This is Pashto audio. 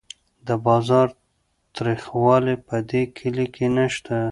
د بازار تریخوالی په دې کلي کې نشته.